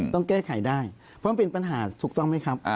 ต้องแก้ไขได้เพราะมันเป็นปัญหาถูกต้องไหมครับ